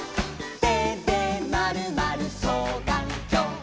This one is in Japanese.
「てでまるまるそうがんきょう」